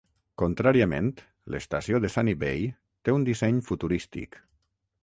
Contràriament, l'estació de Sunny Bay té un disseny futurístic.